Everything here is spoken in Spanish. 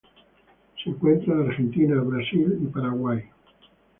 Se encuentra en Argentina, Brasil, y Paraguay.